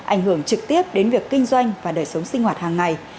ảnh hưởng trực tiếp đến việc kinh doanh và đời sống sinh hoạt hàng ngày